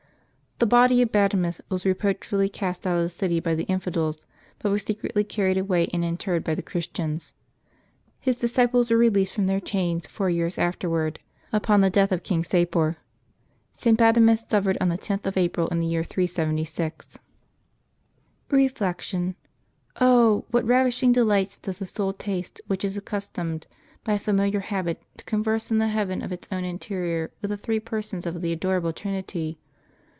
The body of St. Bademus was reproachfully cast out of the city by the infidels, but was secretly carried away and interred by the Christians. His disciples were re leased from their chains four years afterward, upon the death of King Sapor. St. Bademus suffered on the 10th of April in the year 376. Reflection. — Oh ! what ravishing delights does the s . ul taste which is accustomed, by a familiar habit, to eon erse in the heaven of its own interior with the Three Persons of the adorable Trinity!